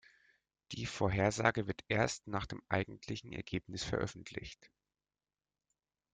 Die Vorhersage wird erst nach dem eigentlichen Ereignis veröffentlicht.